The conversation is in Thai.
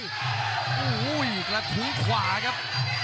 โอ้โหอีกละถุงขวาครับ